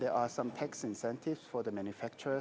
saya pikir ada penawaran insentif untuk pemerintah